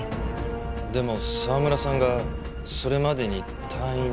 でも澤村さんがそれまでに退院できるか。